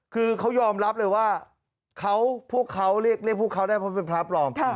คือเขายอมรับเลยว่าพวกเขาเรียกพวกเขาได้เพราะเป็นพระปลอม